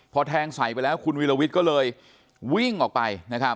พอแทงใส่ไปแล้วคุณวิลวิทย์ก็เลยวิ่งออกไปนะครับ